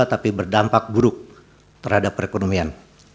tapi berdampak buruk terhadap perekonomian